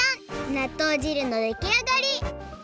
なっとう汁のできあがり！